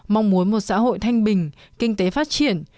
mong muốn một xã hội thanh bình kinh tế phát triển